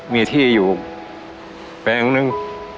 มีที่อยู่แปลงนึง